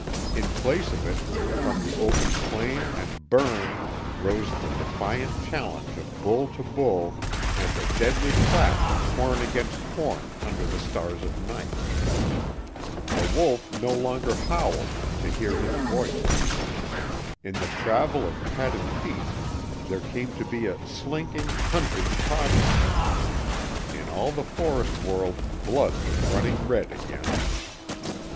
In place of it, from the open plain and "burn" rose the defiant challenge of bull to bull and the deadly clash of horn against horn under the stars of night. The wolf no longer howled to hear his voice. In the travel of padded feet there came to be a slinking, hunting caution. In all the forest world blood was running red again.